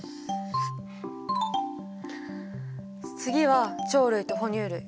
次は鳥類と哺乳類。